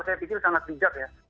saya pikir sangat bijak ya